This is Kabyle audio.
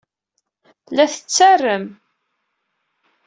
La tettarem.